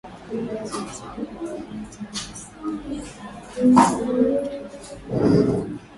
dawa za mseto za artemisin zinaweza kutumika kutibu malaria